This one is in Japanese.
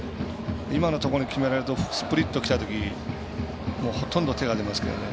今のところに決められるとスプリットきた時ほとんど手が出ますけどね。